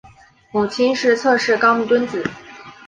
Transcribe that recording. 母亲是侧室高木敦子。